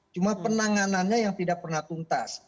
cuma penanganannya yang tidak pernah tuntas